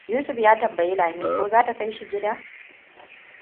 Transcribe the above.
Yusuf ya tambayi Lami ko za ta kaishi gida.